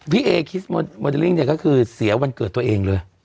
พี่เอคิสโมเดลลิ่งเนี่ยก็คือเสียวันเกิดตัวเองเลย